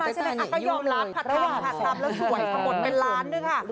อักยอกลักษณ์ผัดทำแล้วสวยข้างหมดเป็นล้านด้วยค่ะ